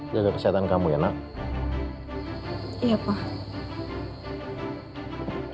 jaga kesehatan kamu enak iya pak